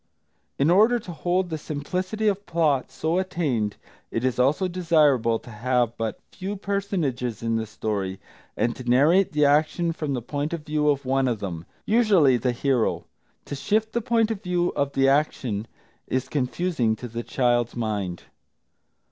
In order to hold the simplicity of plot so attained, it is also desirable to have but few personages in the story, and to narrate the action from the point of view of one of them, usually the hero. To shift the point of view of the action is confusing to the child's mind.